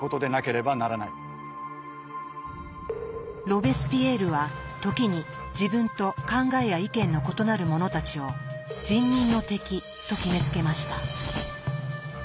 ロベスピエールは時に自分と考えや意見の異なる者たちを「人民の敵」と決めつけました。